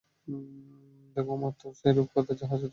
দেখ, আমরা তো সেই রূপকথার জাহাজটা দেখতে এসেছি!